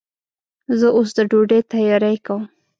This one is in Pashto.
زه اوس د ډوډۍ تیاری کوم.